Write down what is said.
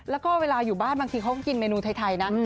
แล้วก็เวลาอยู่บ้านบางทีเขาก็กินเมนูไทยนะ